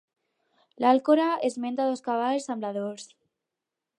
L'Alcorà esmenta dos cavalls ambladors.